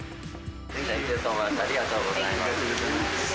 ご利用ありがとうございます。